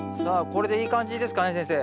これでいい感じですかね先生。